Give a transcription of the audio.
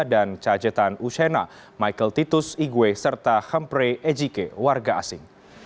dan cajetan ushena michael titus igwe serta khampre ejike warga asing